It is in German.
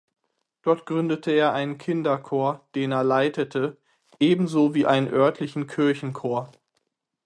Dort gründete er einen Kinderchor, den er leitete, ebenso wie einen örtlichen Kirchenchor.